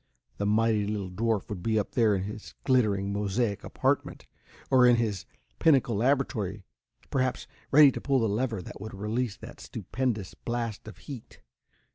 The mighty little dwarf would be up there in his glittering mosaic apartment, or in his pinnacle laboratory, perhaps, ready to pull the lever that would release that stupendous blast of heat.